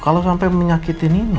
kalau sampai menyakiti nino